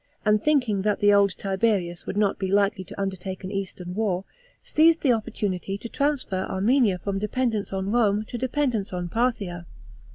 and thinking that the old Tiberius would not be likely to undertake an eastern war, seized the opportunity to transfer Armenia from dependence on Rome to dependence on Parthia.